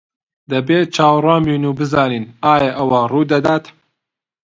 دەبێت چاوەڕوان بین و بزانین ئایا ئەوە ڕوودەدات.